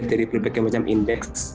kebebasan berekspresi kita itu cenderung turun